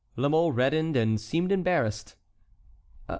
La Mole reddened, and seemed embarrassed.